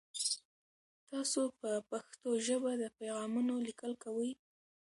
تاسو په پښتو ژبه د پیغامونو لیکل کوئ؟